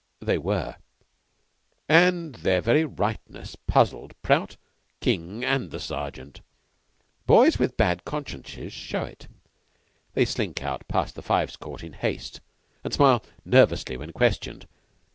They were, and their very rightness puzzled Prout, King, and the Sergeant. Boys with bad consciences show it. They slink out past the Fives Court in haste, and smile nervously when questioned.